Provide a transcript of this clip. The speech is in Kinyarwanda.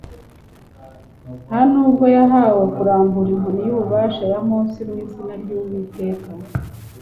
nta nubwo yahawe kurambura inkoni y'ububasha ya Mose mw'izina ry'Uwiteka.